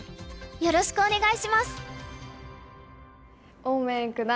よろしくお願いします。